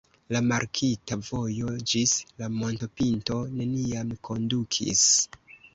La markita vojo ĝis la montopinto neniam kondukis.